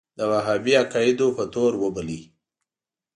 د وهابي عقایدو په تور وباله.